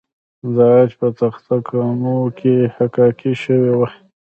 د عاج په تخته ګانو کې حکاکي شوې وه